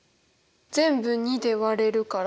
全部２で割れるから？